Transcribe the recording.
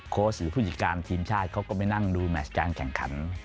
หรือผู้จัดการทีมชาติเขาก็ไปนั่งดูแมชการแข่งขัน